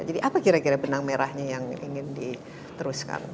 jadi apa kira kira benang merahnya yang ingin diteruskan